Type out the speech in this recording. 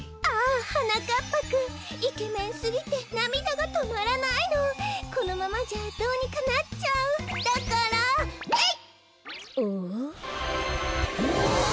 ああはなかっぱくんイケメンすぎてなみだがとまらないのこのままじゃどうにかなっちゃうだからえいっ！